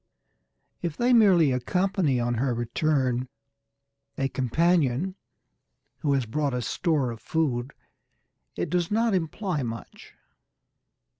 If they merely accompany on her return a companion who has brought a store of food, it does not imply much.